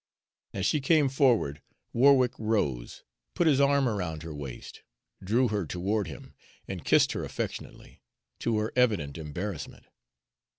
As she came forward, Warwick rose, put his arm around her waist, drew her toward him, and kissed her affectionately, to her evident embarrassment.